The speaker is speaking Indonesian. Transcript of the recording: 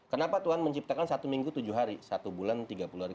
kenapa tuhan menciptakan satu minggu tujuh hari satu bulan tiga puluh hari